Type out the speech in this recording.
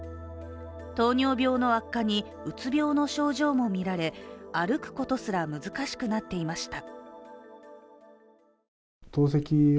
糖尿病の悪化に、うつ病の症状もみられ歩くことすら難しくなっていました。